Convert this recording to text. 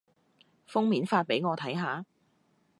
封面發畀我睇下